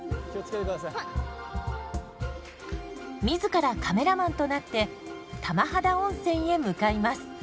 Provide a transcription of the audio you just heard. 自らカメラマンとなって玉肌温泉へ向かいます。